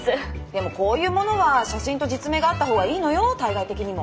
でもこういうものは写真と実名があった方がいいのよ対外的にも。